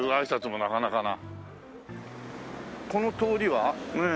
この通りはねえ。